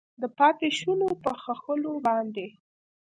د پاتې شونو په ښخولو باندې